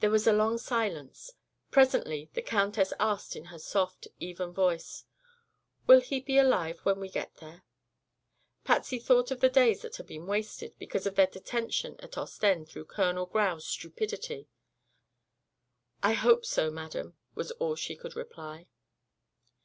There was a long silence. Presently the countess asked in her soft, even voice: "Will he be alive when we get there?" Patsy thought of the days that had been wasted, because of their detention at Ostend through Colonel Grau's stupidity. "I hope so, madam," was all she could reply.